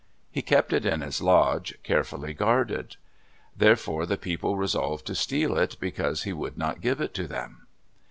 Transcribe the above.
He kept it in his lodge, carefully guarded. Therefore the people resolved to steal it, because he would not give it to them.